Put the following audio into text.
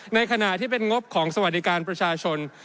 ในขณะที่เป็นงบของสวัสดิการประชาชน